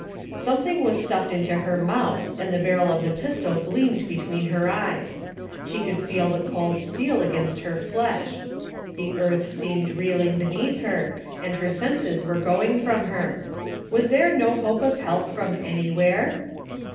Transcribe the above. Something was stuffed into her mouth and the barrel of the pistol gleamed between her eyes. She could feel the cold steel against her flesh. The earth seemed reeling beneath her, and her senses were going from her. Was there no hope of help from anywhere